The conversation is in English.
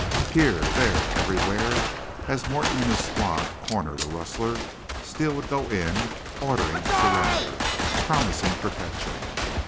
Here, there, everywhere, as Morton and his squad cornered a rustler, Steele would go in, ordering surrender, promising protection.